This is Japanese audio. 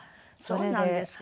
そうなんですか。